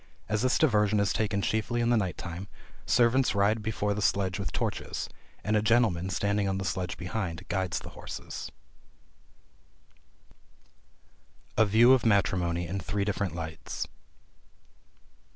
As this diversion is taken chiefly in the night time, servants ride before the sledge with torches; and a gentleman, standing on the sledge behind, guides the horse. A VIEW OF MATRIMONY IN THREE DIFFERENT LIGHTS.